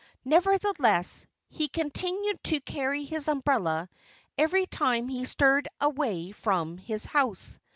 Nevertheless, he continued to carry his umbrella every time he stirred away from his house.